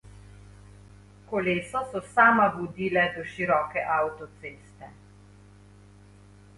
Kolesa so sama vodile do široke avtoceste.